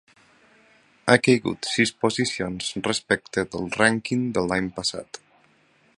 Ha caigut sis posicions respecte del rànquing de l’any passat.